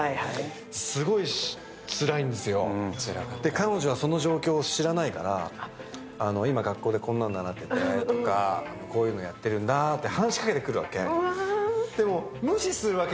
彼女はその状況を知らないから今、学校でこんなの習っててこういうのやってるんだとかって話しかけてくるわけ、でもああ、そうなんだ、